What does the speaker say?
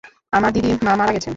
আমার দিদিমা মারা গেছেন।